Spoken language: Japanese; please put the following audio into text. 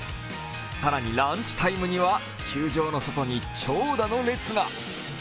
更にランチタイムには球場の外に長蛇の列が。